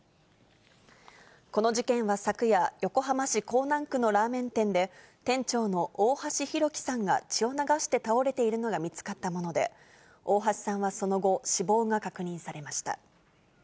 この事件は昨夜、横浜市港南区のラーメン店で、店長の大橋弘輝さんが血を流して倒れているのが見つかったもので、大橋さんはその後、死亡が確認されました。